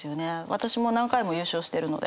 私も何回も優勝してるので。